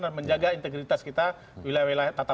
dan menjaga integritas kita wilayah wswn ini ya